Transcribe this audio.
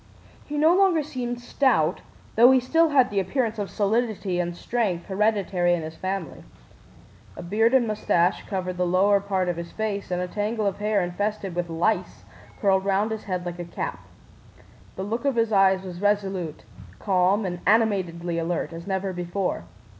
He no longer seemed stout, though he still had the appearance of solidity and strength hereditary in his family. A beard and mustache covered the lower part of his face, and a tangle of hair, infested with lice, curled round his head like a cap. The look of his eyes was resolute, calm, and animatedly alert, as never before.